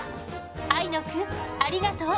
あいのくんありがとう。